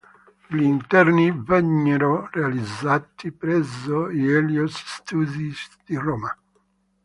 Gli interni vennero realizzati presso i Elios Studios di Roma.